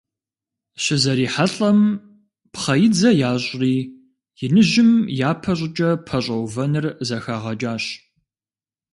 ЩызэрихьэлӀэм, пхъэидзэ ящӀри, иныжьым япэ щӀыкӀэ пэщӀэувэныр зэхагъэкӀащ.